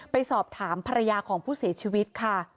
ไปสอบถามภรรยาของผู้เสียชีวิตค่ะ